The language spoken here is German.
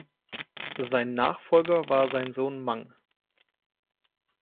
Sein Nachfolger war sein Sohn Mang.